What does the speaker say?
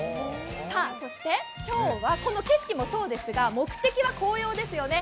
そして今日はこの景色もそうですが目的は紅葉ですよね。